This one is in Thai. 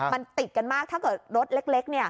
มันติดกันมากถ้าเกิดรถเล็ก